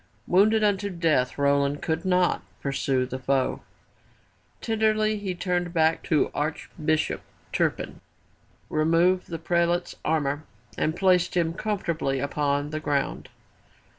Wounded unto death Roland could not pursue the foe. Tenderly he turned back to Archbishop Turpin, removed the prelate's armor and placed him comfortably upon the ground.